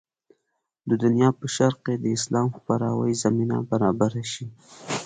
د دنیا په شرق کې د اسلام خپراوي زمینه برابره شي.